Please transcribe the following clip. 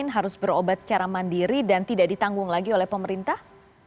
harus berobat secara mandiri dan tidak ditanggung lagi oleh pemerintah